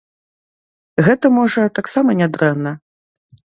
Гэта, можа, таксама не дрэнна.